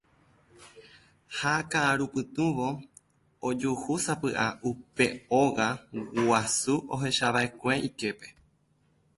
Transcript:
Ha ka'arupytũvo ojuhúsapy'a upe óga guasu ohechava'ekue iképe.